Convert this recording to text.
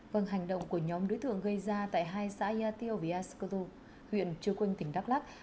vâng hành động của nhóm đối thượng gây ra tại hai xã ea tiêu và ea cửu tư huyện trương quỳnh tỉnh đắk lắc